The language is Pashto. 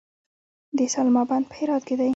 د سلما بند په هرات کې دی